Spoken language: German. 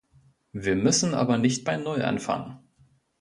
Wir müssen aber nicht bei Null anfangen.